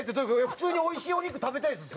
普通においしいお肉食べたいですよ